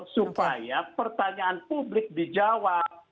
supaya pertanyaan publik dijawab